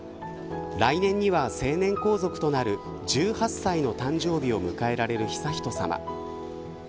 来年には成年皇族となる１８歳の誕生日を迎えられる悠仁さま。